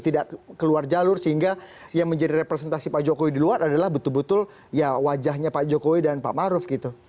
tidak keluar jalur sehingga yang menjadi representasi pak jokowi di luar adalah betul betul ya wajahnya pak jokowi dan pak maruf gitu